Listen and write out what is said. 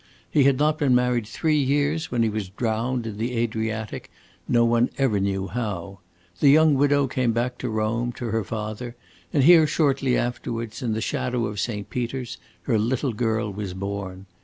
He had not been married three years when he was drowned in the Adriatic, no one ever knew how. The young widow came back to Rome, to her father, and here shortly afterwards, in the shadow of Saint Peter's, her little girl was born.